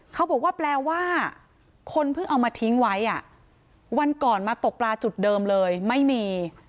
เขาบอกว่าแปลว่าคนเพิ่งเอามาทิ้งไว้อ่ะวันก่อนมาตกปลาจุดเดิมเลยไม่มี